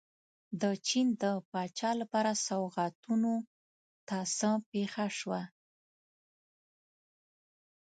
د چین د پاچا لپاره سوغاتونو ته څه پېښه شوه.